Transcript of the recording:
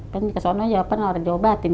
kan kesana ya orang diobatin